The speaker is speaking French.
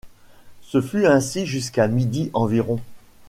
Ce fut ainsi jusqu’à midi environ.